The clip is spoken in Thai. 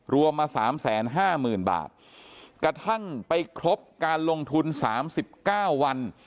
รวมมา๓๕๐๐๐๐บาทกระทั่งไปครบการลงทุน๓๙วัน